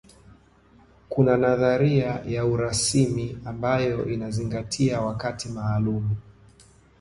kuna nadharia ya urasimi ambayo inazingatia wakati maalumu